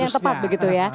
pilihan yang tepat begitu ya